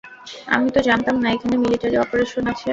আমি তো জানতাম না এখানে মিলিটারি অপারেশন আছে।